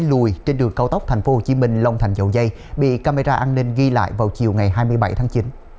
lùi trên đường cao tốc tp hcm long thành dầu dây bị camera an ninh ghi lại vào chiều ngày hai mươi bảy tháng chín